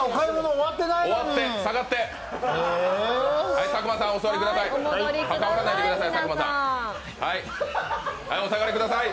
はい、佐久間さんお座りください。